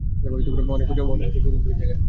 অনেক কষ্টে দুই-দিন জায়গায়।